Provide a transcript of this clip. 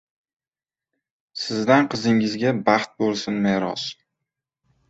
Sizdan qizingizga baxt bo‘lsin meros